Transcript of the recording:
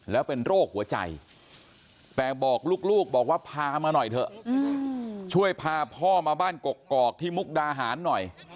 แล้วเป็นโรคหัวใจแต่บอกลูกบอกว่าพามาหน่อยเถอะช่วยพาพ่อมาบ้านกกอกที่มุกดาหารหน่อย